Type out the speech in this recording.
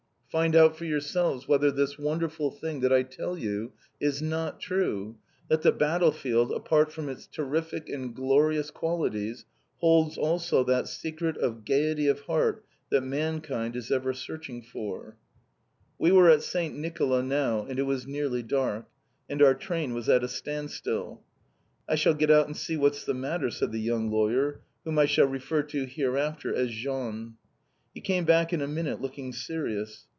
Find out for yourselves whether this wonderful thing that I tell you is not true, that the battle field, apart from its terrific and glorious qualities, holds also that secret of gaiety of heart that mankind is ever searching for! We were at St. Nicolla now, and it was nearly dark, and our train was at a standstill. "I'll get out and see what's the matter," said the young lawyer, whom I shall refer to hereafter as Jean. He came back in a minute looking serious.